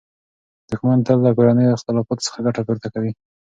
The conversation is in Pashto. دښمن تل له کورنیو اختلافاتو څخه ګټه پورته کوي.